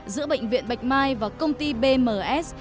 giữa bệnh viện bạch mai và công ty bms